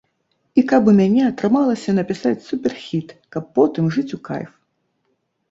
І каб у мяне атрымалася напісаць суперхіт, каб потым жыць у кайф.